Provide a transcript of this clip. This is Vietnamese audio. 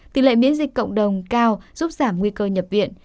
tỷ lệ miễn dịch cộng đồng cao giúp giảm nguy cơ nhập viện